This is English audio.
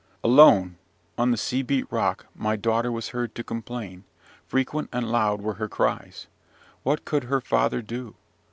"Alone, on the sea beat rock, my daughter was heard to complain; frequent and loud were her cries. What could her father do?